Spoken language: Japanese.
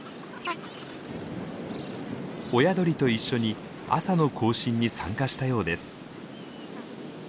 親鳥と一緒に朝の行進に参加したようです。